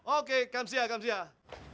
oke kamsiah kamsiah